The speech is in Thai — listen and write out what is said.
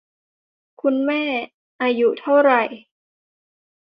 คุณแม่ อายุเท่าไหร